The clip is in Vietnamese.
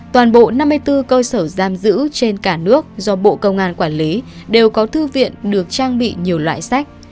toàn bộ năm mươi bốn cơ sở giam giữ trên cả nước do bộ công an quản lý đều có thư viện được trang bị nhiều loại sách